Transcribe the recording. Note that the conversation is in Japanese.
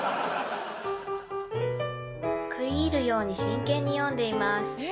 食い入るように真剣に読んでいます